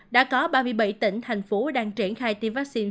đã có ba mươi bảy tỉnh thành phố đang triển khai tiêm vaccine